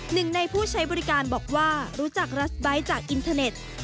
หนึ่งในผู้ใช้บริการบอกว่ารู้จักรัสไบท์จากอินเทอร์เน็ต